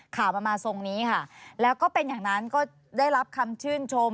ข่าวมันมาทรงนี้ค่ะแล้วก็เป็นอย่างนั้นก็ได้รับคำชื่นชม